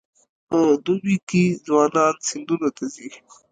په دوبي کې ځوانان سیندونو ته ځي.